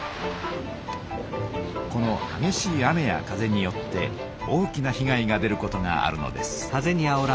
このはげしい雨や風によって大きなひ害が出ることがあるのです。